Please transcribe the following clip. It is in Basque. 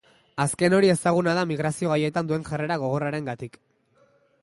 Azken hori ezaguna da migrazio gaietan duen jarrera gogorrarengatik.